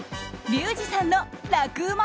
リュウジさんの楽ウマ！